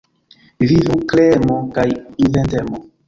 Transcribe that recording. Vivu kreemo kaj inventemo.